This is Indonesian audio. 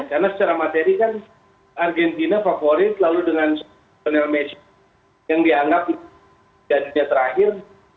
karena secara materi kan argentina favorit lalu dengan daniel messi yang dianggap jadinya terakhir